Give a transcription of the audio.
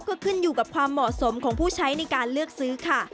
ก็ขึ้นอยู่กับความเหมาะสมของผู้ใช้ในการเลือกซื้อค่ะ